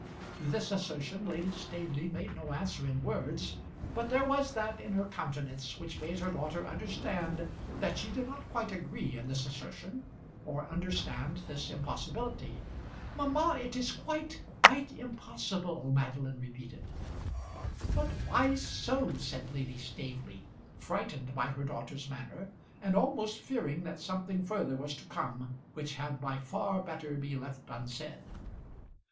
To this assertion Lady Staveley made no answer in words, but there was that in her countenance which made her daughter understand that she did not quite agree in this assertion, or understand this impossibility. "Mamma, it is quite, quite impossible!" Madeline repeated. "But why so?" said Lady Staveley, frightened by her daughter's manner, and almost fearing that something further was to come which had by far better be left unsaid.